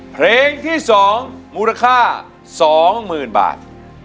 เพลงที่๒มูลค่า๒๐๐๐บาท